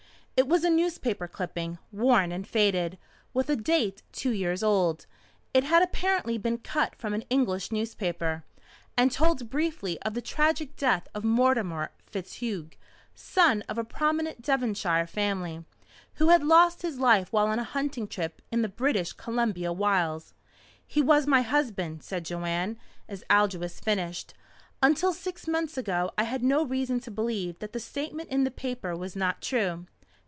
It was a newspaper clipping, worn and faded, with a date two years old. It had apparently been cut from an English paper, and told briefly of the tragic death of Mortimer FitzHugh, son of a prominent Devonshire family, who had lost his life while on a hunting trip in the British Columbia Wilds. "He was my husband," said Joanne, as Aldous finished. "Until six months ago I had no reason to believe that the statement in the paper was not true.